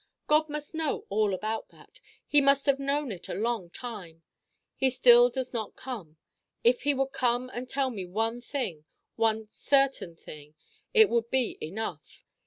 God must know all about that. He must have known it a long time. He still does not come. If he would come and tell me one thing, one certain thing, it would be enough.